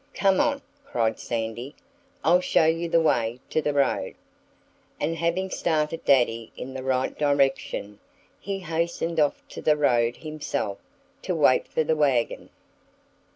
"Come on!" cried Sandy. "I'll show you the way to the road." And having started Daddy in the right direction, he hastened off to the road himself, to wait for the wagon.